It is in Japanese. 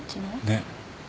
ねっ。